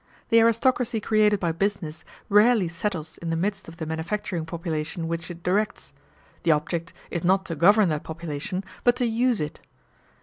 The aristocracy created by business rarely settles in the midst of the manufacturing population which it directs; the object is not to govern that population, but to use it.